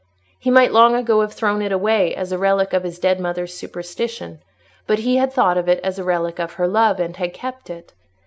He might long ago have thrown it away as a relic of his dead mother's superstition; but he had thought of it as a relic of her love, and had kept it.